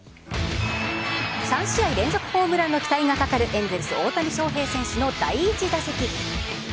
３試合連続ホームランの期待がかかるエンゼルス・大谷翔平選手の第１打席。